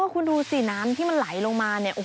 คุณดูสิน้ำที่มันไหลลงมา